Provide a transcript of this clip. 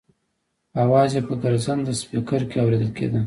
اواز یې په ګرځنده سپېکر کې اورېدل کېده.